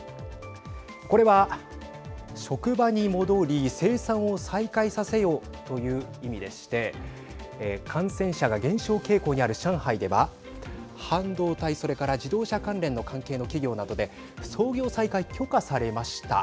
これは職場に戻り、生産を再開させよという意味でして感染者が減少傾向にある上海では半導体それから自動車関係の企業などで操業再開、許可されました。